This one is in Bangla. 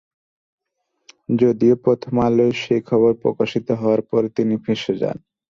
যদিও প্রথম আলোয় সেই খবর প্রকাশিত হওয়ার পর তিনি ফেঁসে যান।